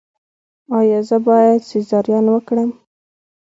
ایا زه باید سیزارین وکړم؟